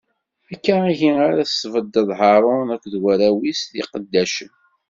Akka ihi ara tesbeddeḍ Haṛun akked warraw-is d lqeddacen.